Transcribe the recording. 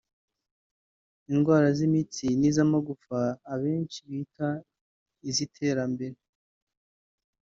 indwara z’imitsi n’iz’amagufa abenshi bita iz’iterambere